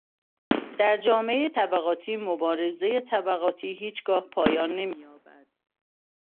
در جامعهٔ طبقاتی مبارزهٔ طبقاتی هیچگاه پایان نمییابد.